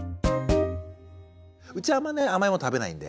うちあんまね甘いもの食べないんで。